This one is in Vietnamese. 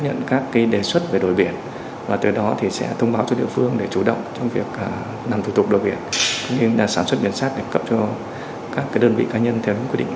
nhưng sản xuất biển sát để cấp cho các đơn vị cá nhân theo đúng quy định